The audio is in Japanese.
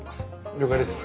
了解です。